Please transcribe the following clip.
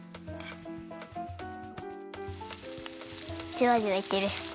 じゅわじゅわいってる。